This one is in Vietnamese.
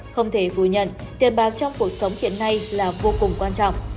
không thể phủ nhận tiền bạc trong cuộc sống hiện nay là vô cùng quan trọng